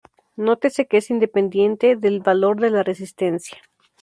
Nótese que es independiente del valor de la resistencia.